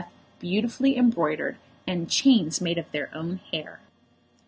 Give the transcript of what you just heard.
beautifully embroidered, and chains made of their own hair.